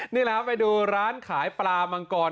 นี่แหละครับไปดูร้านขายปลามังกร